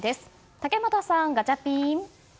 竹俣さん、ガチャピン！